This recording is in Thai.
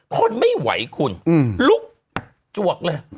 คนไม่ไหวคุณลุกจวกเลย